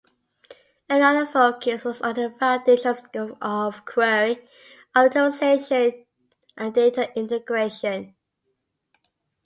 Another focus was on the foundations of query optimization and data integration.